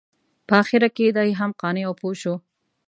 په اخره کې دی هم قانع او پوه شو.